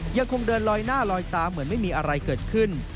ยังคงเดินลอยหน้าลอยตาเหมือนไม่มีอะไรเกิดขึ้น